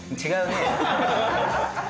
違うね。